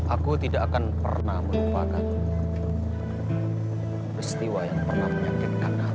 aku tidak akan pernah melupakan peristiwa yang pernah menyakitkan aku